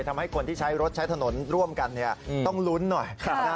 ทำให้คนที่ใช้รถใช้ถนนร่วมกันเนี่ยอืมต้องลุ้นหน่อยครับ